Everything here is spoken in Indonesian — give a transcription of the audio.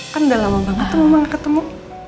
kan udah lama banget ketemuan ketemu